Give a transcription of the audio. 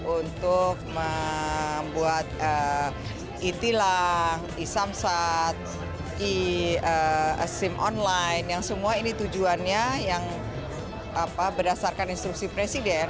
untuk membuat e tilang e samsat e sim online yang semua ini tujuannya yang berdasarkan instruksi presiden